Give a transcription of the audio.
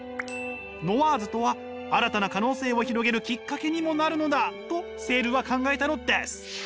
ノワーズとは新たな可能性を広げるきっかけにもなるのだとセールは考えたのです！